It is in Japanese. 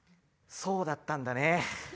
そうだったんだね！